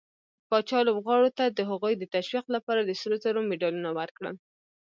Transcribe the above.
پاچا لوبغارو ته د هغوي د تشويق لپاره د سروزرو مډالونه ورکړل.